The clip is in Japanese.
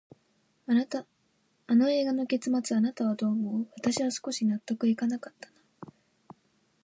あの映画の結末、あなたはどう思う？私は少し納得いかなかったな。